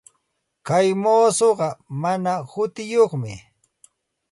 Kay muusuqa mana hutiyuqmi.